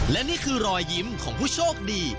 และนี่คือรอยยิ้มของผู้โชคดี